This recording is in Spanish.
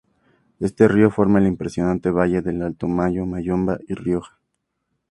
Este río forma el impresionante valle del Alto Mayo Moyobamba, y Rioja.